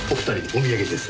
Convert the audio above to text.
お土産です。